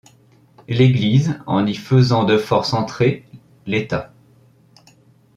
L’église en y faisant de force entrer : l’état.